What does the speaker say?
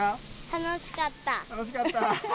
楽しかった？